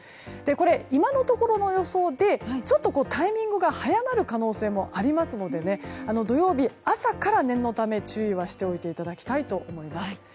これは今のところの予想でちょっとタイミングが早まる可能性もありますので土曜日、朝から念のため注意はしておいていただきたいと思います。